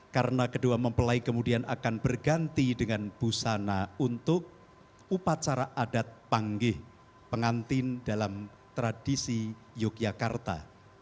karena kedua mempelai kemudian akan berganti dengan busana untuk upacara adat panggih pengantin dalam tradisi yogyakarta